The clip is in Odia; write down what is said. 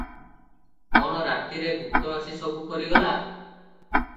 କଣ ରାତିରେ ଭୁତ ଆସି ସବୁ କରିଗଲା?